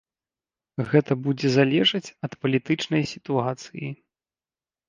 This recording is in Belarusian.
Гэта будзе залежаць ад палітычнай сітуацыі.